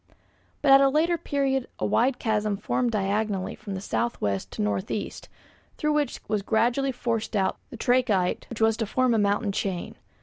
But at a later period a wide chasm formed diagonally from south west to north east, through which was gradually forced out the trachyte which was to form a mountain chain.